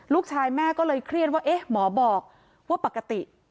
ลูกชายแม่ก็เลยเครียดว่าเอ๊ะหมอบอกว่าปกติ